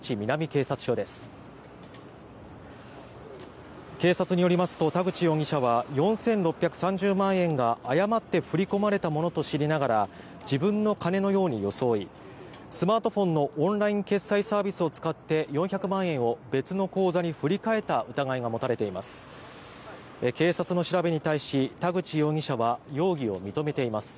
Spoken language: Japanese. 警察によりますと田口容疑者は４６３０万円が誤って振り込まれたものと知りながら自分の金のように装いスマートフォンのオンライン決済サービスを使って４００万円を別の口座に振り替えた疑いが持たれています。